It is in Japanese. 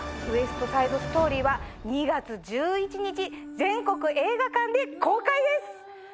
『ウエスト・サイド・ストーリー』は２月１１日全国映画館で公開です！